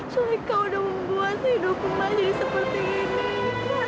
sulika sudah membuat hidupku menjadi seperti ini